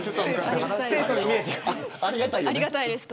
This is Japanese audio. ありがたいです。